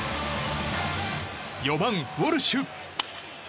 ４番、ウォルシュ。